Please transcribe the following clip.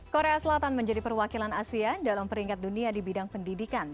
korea selatan menjadi perwakilan asia dalam peringkat dunia di bidang pendidikan